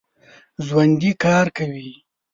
ژوندي کار کوي